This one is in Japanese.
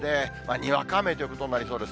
にわか雨ということになりそうです。